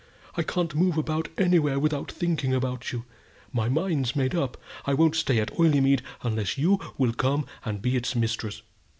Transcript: I can't move about anywhere without thinking about you. My mind's made up; I won't stay at Oileymead unless you will come and be its mistress."